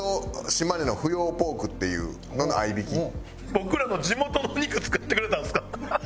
僕らの地元のお肉使ってくれたんですか？